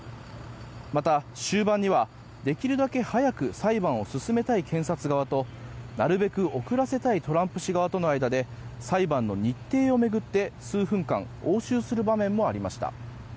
また、終盤にはできるだけ早く裁判を進めたい検察側となるべく遅らせたいトランプ氏側との間で裁判の日程を巡って数分間、応酬する場面もありました。